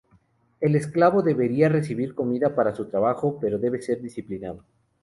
Un esclavo debería recibir comida para su trabajo, pero debe ser disciplinado.